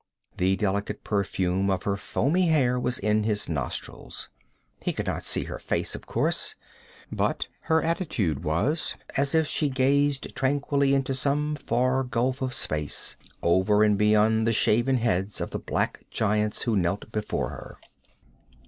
The delicate perfume of her foamy hair was in his nostrils. He could not see her face, of course, but her attitude was as if she gazed tranquilly into some far gulf of space, over and beyond the shaven heads of the black giants who knelt before her.